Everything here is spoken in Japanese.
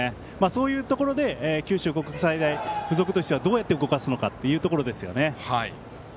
そういうところで九州国際大付属としてはどうやって動かすのかというところですよね。